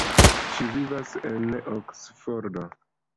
Ŝi vivas en Oksfordo.